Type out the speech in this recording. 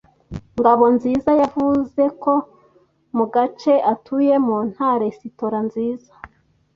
Ngabonziza yavuze ko mu gace atuyemo nta resitora nziza.